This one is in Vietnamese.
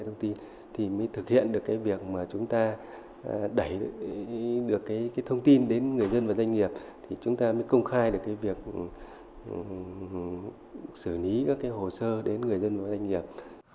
để thực hiện được việc chúng ta đẩy được thông tin đến người dân và doanh nghiệp chúng ta mới công khai được việc xử lý các hồ sơ đến người dân và doanh nghiệp